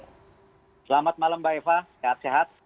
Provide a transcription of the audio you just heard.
selamat malam mbak eva sehat sehat